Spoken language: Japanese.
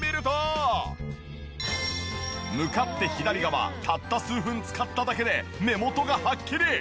向かって左側たった数分使っただけで目元がはっきり。